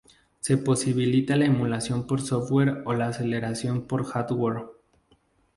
Se posibilita la emulación por software o la aceleración por hardware.